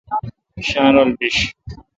شاین رل بیش۔